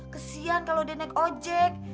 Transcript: kesian kalo udah naik ojek